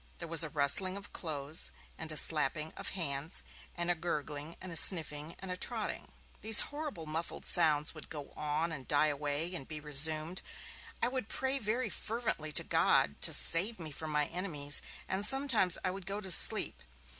There was a rustling of clothes, and a slapping of hands, and a gurgling, and a sniffing, and a trotting. These horrible muffled sounds would go on, and die away, and be resumed; I would pray very fervently to God to save me from my enemies; and sometimes I would go to sleep.